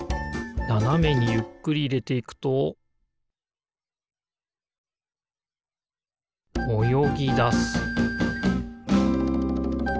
ななめにゆっくりいれていくとおよぎだす